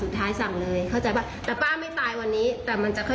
คุณผู้ชมค่ะแล้วเดี๋ยวมาเล่ารายละเอียดเพิ่มให้ฟังค่ะ